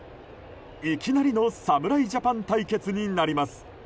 いきなりの侍ジャパン対決になります。